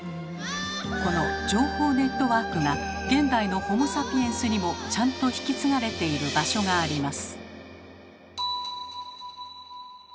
この情報ネットワークが現代のホモ・サピエンスにもちゃんと引き継がれている場所があります。